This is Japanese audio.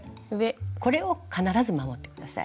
これを必ず守って下さい。